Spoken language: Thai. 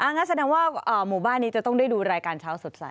งั้นแสดงว่าหมู่บ้านนี้จะต้องได้ดูรายการเช้าสดใส